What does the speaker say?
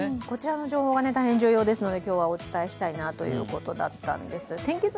こちらの情報は大変重要ですので、今日はお伝えしたいなということでした。